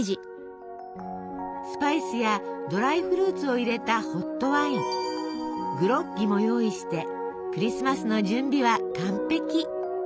スパイスやドライフルーツを入れたホットワイングロッギも用意してクリスマスの準備は完璧！